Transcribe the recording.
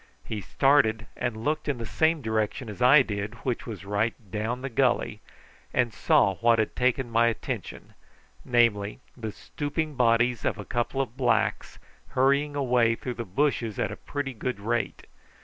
He started and looked in the same direction as I did which was right down the gully, and saw what had taken my attention, namely, the stooping bodies of a couple of blacks hurrying away through the bushes at a pretty good rate.